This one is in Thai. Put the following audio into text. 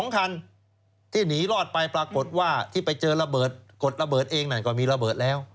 ๒คันที่หนีรอดไปปรากฏว่าที่ไปเจอระเบิดกดระเบิดเองนั่นก็มีระเบิดแล้ว